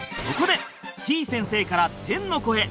そこでてぃ先生から天の声！